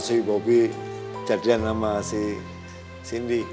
kalau si bobby jadian sama si cindy